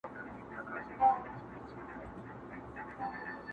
هسي نوم د مرګي بد دی خبر نه دي عالمونه٫